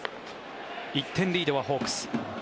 １点リードはホークス。